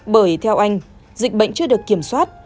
bởi theo anh dịch bệnh chưa được kiểm soát